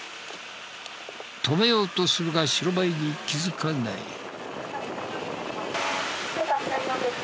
止めようとするが白バイに気づかない。